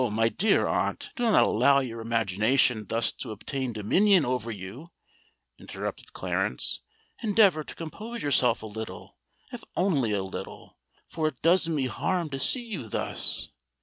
my dear aunt, do not allow your imagination thus to obtain dominion over you!" interrupted Clarence. "Endeavour to compose yourself a little—if only a little—for it does me harm to see you thus!